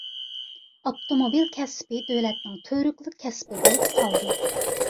ئاپتوموبىل كەسپى دۆلەتنىڭ تۈۋرۈكلۈك كەسپى بولۇپ قالدى.